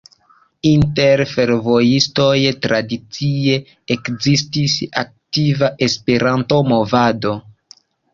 Inter fervojistoj tradicie ekzistis aktiva Esperanto-movado.